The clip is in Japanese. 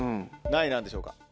何位なんでしょうか？